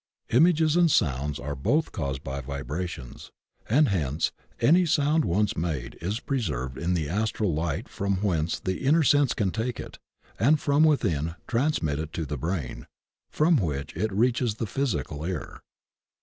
Images and soimds are both caused by vibrations, and hence any soimd once made is preserved in the Astral Light from whence the in INNER STIMULI CAUSE OUTER PERCEPTION 143 ner sense can take it and from within transmii it to the brain, from which it reaches the physical ear.